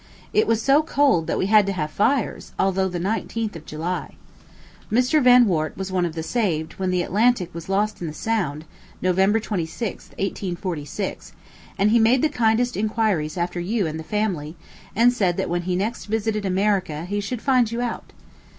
It was so cold that we had to have fires, although the 19th of July. Mr. Vanwart was one of the saved, when the Atlantic was lost in the Sound, November 26, 1846; and he made the kindest inquiries after you and the family, and said that when he next visited America he should find you out.